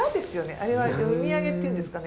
あれは読み上げっていうんですかね。